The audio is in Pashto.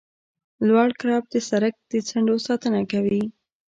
لوړ کرب د سرک د څنډو ساتنه کوي